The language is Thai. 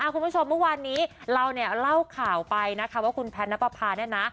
คุณผู้ชมเมื่อวานนี้เราเนี่ยเล่าข่าวไปนะคะว่าคุณแพทย์นับประพาเนี่ยนะ